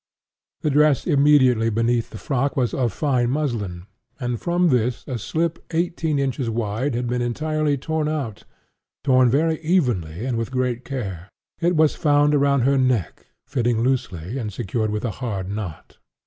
The dress immediately beneath the frock was of fine muslin; and from this a slip eighteen inches wide had been torn entirely out—torn very evenly and with great care. It was found around her neck, fitting loosely, and secured with a hard knot.